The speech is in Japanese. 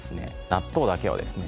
納豆だけはですね